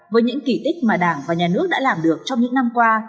với những kỷ tích mà đảng và nhà nước đã làm được trong những năm qua